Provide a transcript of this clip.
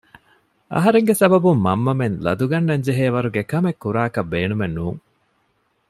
އަހަރެންގެ ސަބަބުން މަންމަމެން ލަދު ގަންނަންޖެހޭ ވަރުގެ ކަމެއް ކުރާކަށް ބޭނުމެއް ނޫން